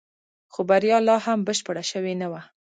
خو بريا لا هم بشپړه شوې نه وه.